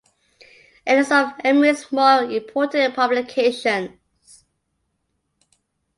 A list of Emery's more important publications.